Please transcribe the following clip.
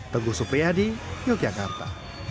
teguh supriyadi yogyakarta